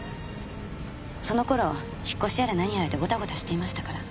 その頃引っ越しやらなんやらでゴタゴタしていましたから。